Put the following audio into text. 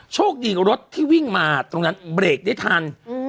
โชคดีรถที่วิ่งมาตรงนั้นเบรกได้ทัน